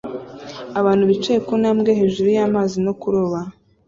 Abantu bicaye ku ntambwe hejuru y'amazi no kuroba